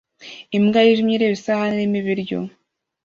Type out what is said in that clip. Imbwa yijimye ireba isahani irimo ibiryo